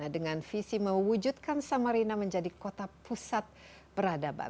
dengan visi mewujudkan samarina menjadi kota pusat peradaban